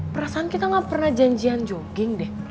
perasaan kita gak pernah janjian jogging deh